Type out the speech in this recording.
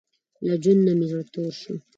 له ژوند نۀ مې زړه تور شو